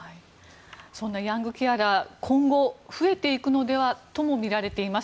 そんなヤングケアラー今後増えていくのではともみられています。